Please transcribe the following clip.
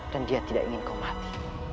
dan dia tidak ingin kau mati